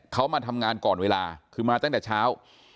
เขามาทำงานก่อนเวลาคือมาตั้งแต่เช้า